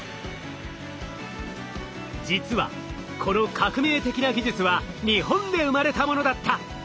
実はこの革命的な技術は日本で生まれたものだった！